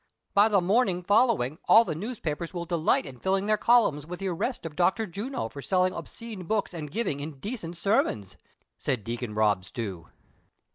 " By the morning following, all the newspapers will de light in filling their columns with the arrest of Dr. Juno for selling ' Obscene ' books and giving indecent sermons," said Deacon Rob Stew.